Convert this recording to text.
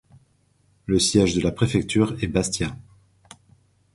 Le siège de la préfecture est Bastia.